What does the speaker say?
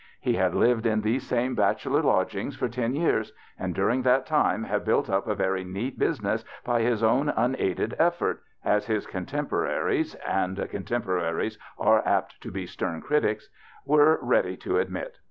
He had lived in these same bachelor lodgings for ten years, and during that time had built up a very neat business by his own unaided THE BACHELORS CHRISTMAS 5 effort, as his contemporaries (and contempo raries are apt to be stern critics) were ready to admit.